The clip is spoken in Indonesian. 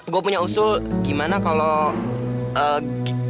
gue punya usul gimana kalau